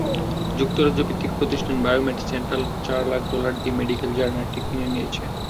যুক্তরাজ্যভিত্তিক প্রতিষ্ঠান biomed Central চার lakh dollar দিয়ে মেডিকেল জার্নালটি কিনে নিয়েছে।